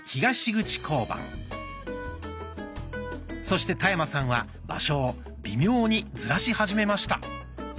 そして田山さんは場所を微妙にずらし始めました。